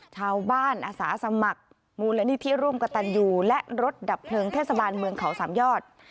อาสาสมัครมูลนิธิร่วมกับตันยูและรถดับเพลิงเทศบาลเมืองเขาสามยอด